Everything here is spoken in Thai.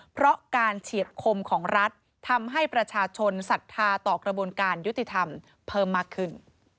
เพราะการเฉียดคมของรัฐทำให้ประชาชนศรัทธาต่อกระบวนการยุติธรรมเพิ่มมากขึ้น